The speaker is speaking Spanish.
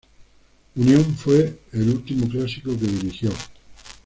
Unión fue el último clásico que dirigió.